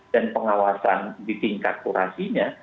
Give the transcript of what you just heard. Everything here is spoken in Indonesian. pengawasan di tingkat kurasinya